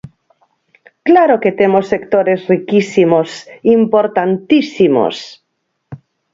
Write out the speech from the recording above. ¡Claro que temos sectores riquísimos, importantísimos!